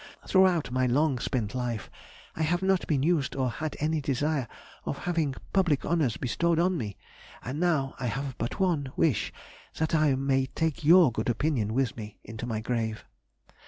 Throughout my long spent life I have not been used or had any desire of having public honours bestowed on me; and now I have but one wish, that I may take your good opinion with me into my grave.